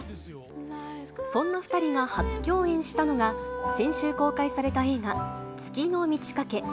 そんな２人が初共演したのが、先週公開された映画、月の満ち欠け。